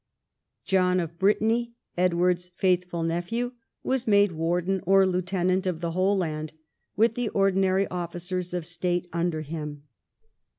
John of Brittany, Edward's faithful nephew, was made warden or lieutenant of the whole land, with the ordinary officers of state under him.